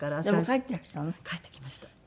でも帰っていらしたの？